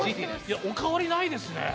いやお変わりないですね。